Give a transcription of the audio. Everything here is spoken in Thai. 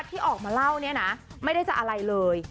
ที่ออกมาเล่าเนี่ยนะไม่ได้จะอะไรเลย